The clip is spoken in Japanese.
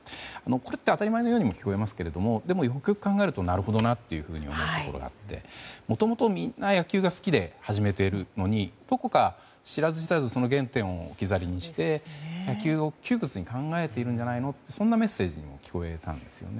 これって当たり前のようにも聞こえますけどよく考えるとなるほどなと思うところがあってもともと、みんな野球が好きで始めているのにどこか知らず知らず原点を置き去りにして野球を窮屈に考えているんじゃないのとそんなメッセージに聞こえたんですよね。